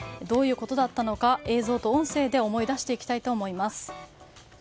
どういうことだったのか映像と音声で思い出していきたいと思います。